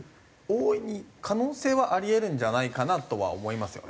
多いに可能性はあり得るんじゃないかなとは思いますよ。